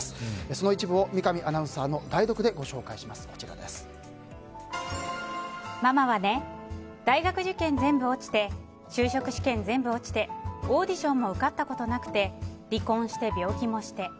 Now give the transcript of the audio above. その一部を三上アナウンサーのママはね、大学受験全部落ちてママはね、大学受験全部落ちて就職試験全部落ちてオーディションも受かったことなくて離婚して、病気もして。